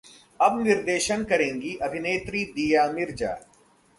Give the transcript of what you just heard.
अब निर्देशन करेंगी अभिनेत्री दीया मिर्जा!